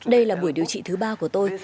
đây là buổi điều trị thứ ba của tôi